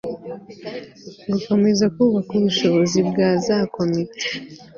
gukomeza kubaka ubushobozi bwa za komite